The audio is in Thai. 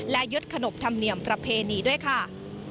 และยึดขนบธรรมเนียมประเพณีด้วยค่ะ